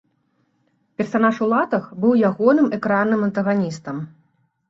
Персанаж у латах быў ягоным экранным антаганістам.